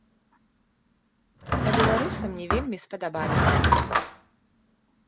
А беларусы мне вельмі спадабаліся.